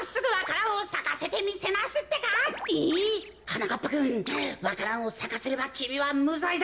なかっぱくんわか蘭をさかせればきみはむざいだ。